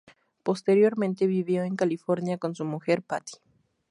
Posteriormente vivió en California con su mujer Patty.